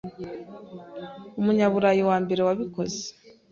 Umunyaburayi wa mbere wabikoze.